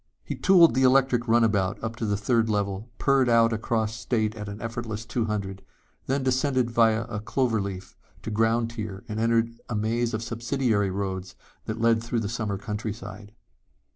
He tooled the electric runabout up into the third level, purred out across state at an effortless two hundred, then descended via a cloverleaf to ground tier and entered a maze of subsidiary roads that led through the summer countryside.